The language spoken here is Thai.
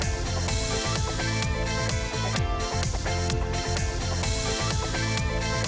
พบด้วยค่ะจนกว่านั้น